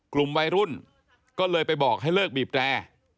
กลุ่มวัยรุ่นก็เลยไปบอกให้เลิกบีบแตร